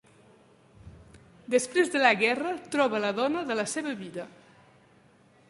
Després de la guerra troba la dona de la seva vida.